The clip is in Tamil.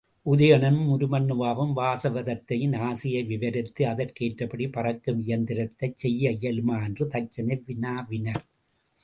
உதயணனும் உருமண்ணுவாவும் வாசவதத்தையின் ஆசையை விவரித்து, அதற்கேற்றபடி பறக்கும் இயந்திரத்தைச் செய்ய இயலுமா? என்று தச்சனை வினாவினர்.